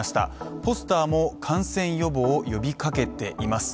ポスターも感染予防を呼びかけています。